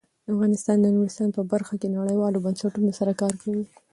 افغانستان د نورستان په برخه کې نړیوالو بنسټونو سره کار کوي.